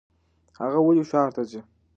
هغه ولې ښار ته ځي ؟